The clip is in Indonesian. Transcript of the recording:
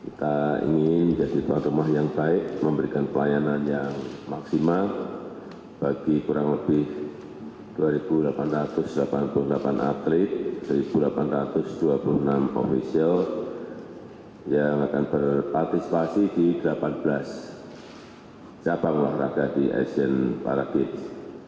kita ingin menjadi tuan rumah yang baik memberikan pelayanan yang maksimal bagi kurang lebih dua delapan ratus delapan puluh delapan atlet satu delapan ratus dua puluh enam ofisial yang akan berpartisipasi di delapan belas cabang olahraga di asian para games